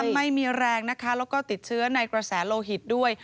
ไม่มีแรงนะคะแล้วก็ติดเชื้อในกระแสโลหิตด้วย